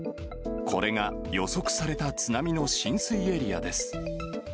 これが、予測された津波の浸水エリアです。